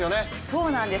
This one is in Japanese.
そうなんです